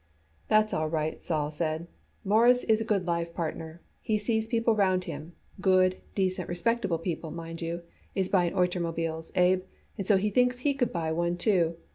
"That's all right," Sol said. "Mawruss is a good live partner. He sees people round him good, decent, respectable people, mind you is buying oitermobiles, Abe, and so he thinks he could buy one, too.